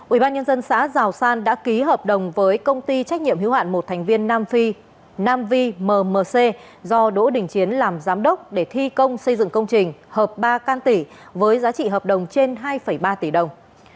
ủy ban nhân dân xã giào san đã ký hợp đồng với công ty trách nhiệm hữu hạn một thành viên nam vi mmc do đỗ đình chiến làm giám đốc để thi công xây dựng công trình hợp ba can tỷ với giá trị hợp đồng trên hai ba tỷ đồng